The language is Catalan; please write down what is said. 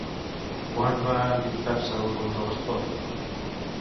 Quan va endinsar-se al món de l'esport?